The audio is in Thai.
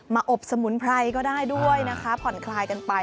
อบสมุนไพรก็ได้ด้วยนะคะผ่อนคลายกันไป